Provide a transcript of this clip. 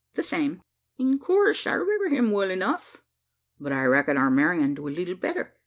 "The same." "In coorse, I remember him well enough; but I reckon our Marian do a leetle better.